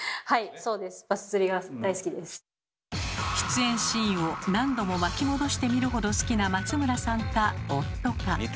出演シーンを何度も巻き戻して見るほど好きな松村さんか夫か。